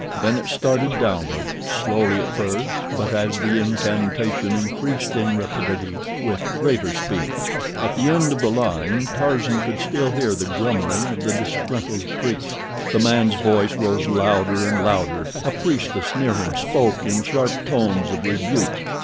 Then it started downward, slowly at first, but as the incantation increased in rapidity, with greater speed. At the end of the line Tarzan could still hear the grumbling of the disgruntled priest. The man's voice rose louder and louder. A priestess near him spoke in sharp tones of rebuke.